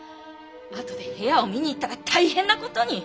後で部屋を見に行ったら大変な事に。